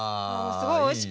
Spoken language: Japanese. すごいおいしくて。